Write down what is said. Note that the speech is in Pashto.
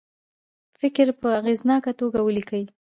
فکر په اغیزناکه توګه ولیکي.